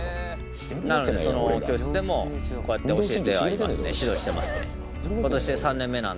なのでその教室でもこうやって教えてはいますね指導してますね。